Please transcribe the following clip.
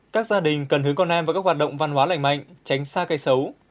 các gia đình cần hướng con em vào các hoạt động văn hóa lành mạnh tránh xa cây xấu